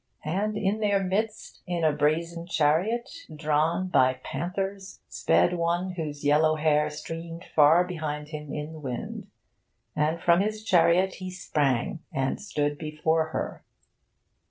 And in their midst, in a brazen chariot drawn by panthers, sped one whose yellow hair streamed far behind him in the wind. And from his chariot he sprang and stood before her.